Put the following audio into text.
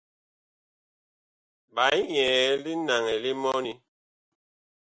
Ɓaa nyɛɛ linaŋɛ li mɔni.